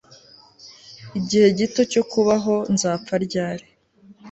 igihe gito cyo kubaho nzapfa ryari